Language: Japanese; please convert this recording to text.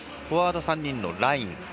フォワード３人のライン